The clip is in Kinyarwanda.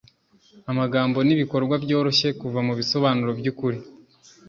Amagambo nibikorwa byoroshye kuva mubisobanuro byukuri